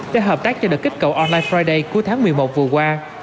để hợp tác cho đợt kích cầu online friday cuối tháng một mươi một vừa qua